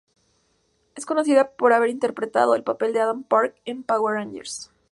Es conocido por haber interpretado el papel de Adam Park en "Power Rangers.